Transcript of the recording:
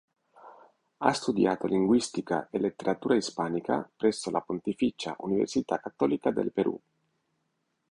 Ha studiato Linguistica e Letteratura Ispanica presso la Pontificia Università Cattolica del Perù.